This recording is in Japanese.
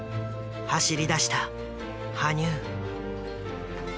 走りだした羽生。